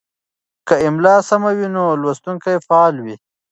که املا سمه وي نو لوستونکی فعاله وي.